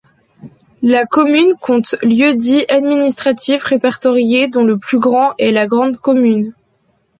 La commune compte lieux-dits administratifs répertoriés dont le plus important est La Grande Commune.